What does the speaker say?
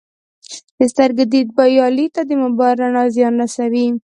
د سترګو دید یا لید ته د موبایل رڼا زیان رسوي